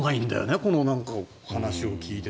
この話を聞いてて。